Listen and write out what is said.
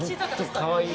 ・かわいい